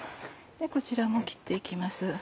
こちらも切って行きます。